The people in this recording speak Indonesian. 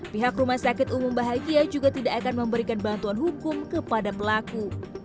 pihak rumah sakit umum bahagia juga tidak akan memberikan bantuan hukum kepada pelaku